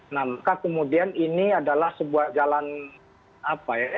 namun kemudian ini adalah sebuah jalan apa ya